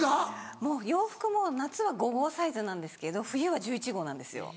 もう洋服も夏は５号サイズなんですけど冬は１１号なんですよ。